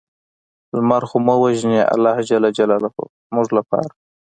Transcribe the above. لمر خو مه وژنې الله ج زموږ لپاره